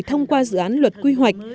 thông qua dự án luật quy hoạch